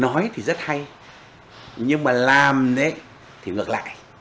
nói thì rất hay nhưng mà làm thì ngược lại